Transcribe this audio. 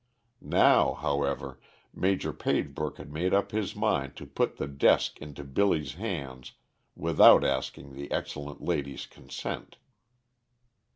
Now, however, Major Pagebrook had made up his mind to put the desk into Billy's hands without asking the excellent lady's consent.